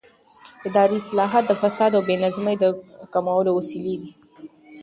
اداري اصلاحات د فساد او بې نظمۍ د کمولو وسیله دي